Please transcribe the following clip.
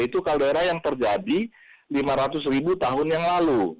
itu kaldera yang terjadi lima ratus ribu tahun yang lalu